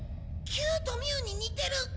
キューとミューに似てる！